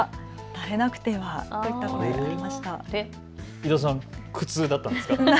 井田さん、苦痛だったんですか。